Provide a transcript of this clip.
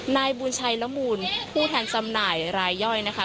นายบุญชัยละมูลผู้แทนจำหน่ายรายย่อยนะคะ